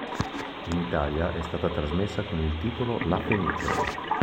In Italia è stata trasmessa con il titolo "La Fenice".